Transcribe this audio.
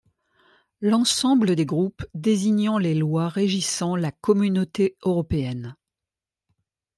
L'ensemble des groupes désignant les lois régissant la communauté européenne.